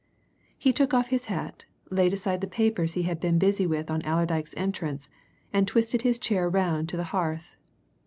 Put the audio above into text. He took off his hat, laid aside the papers he had been busy with on Allerdyke's entrance, and twisted his chair round to the hearth.